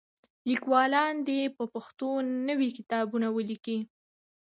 لیکوالان دې په پښتو نوي کتابونه ولیکي.